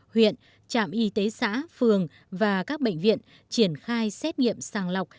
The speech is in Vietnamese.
huyện trạm y tế xã phường và các bệnh viện triển khai xét nghiệm sàng lọc